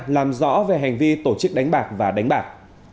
làm rõ về hành vi tổ chức đánh bạc và đánh bạc